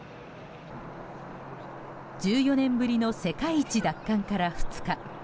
１４年ぶりの世界一奪還から２日。